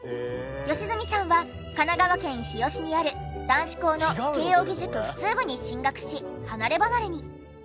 良純さんは神奈川県日吉にある男子校の慶應義塾普通部に進学し離ればなれに。